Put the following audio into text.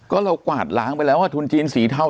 ก็เรากวาดล้างไปแล้วว่าทุนจีนสีเทา